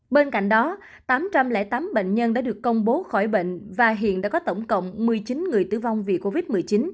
bên cạnh đó tám trăm linh tám bệnh nhân đã được công bố khỏi bệnh và hiện đã có tổng cộng một mươi chín người tử vong vì covid một mươi chín